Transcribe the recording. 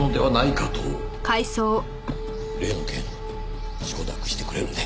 例の件承諾してくれるね？